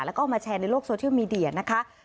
แล้วก็เอามาแชร์ในโลกโซเชียลมีเดียนะคะ